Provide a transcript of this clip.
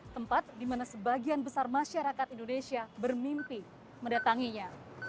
tempat di mana sebagian besar masyarakat indonesia bermimpi mendatanginya